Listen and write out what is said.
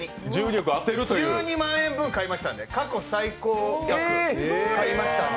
１２万円分買いましたので、過去最高額買いましたので。